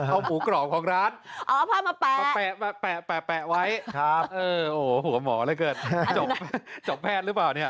เอาหมูกรอบของร้านมาแปะไว้โอ้โหหมออะไรเกิดจบแพทย์หรือเปล่า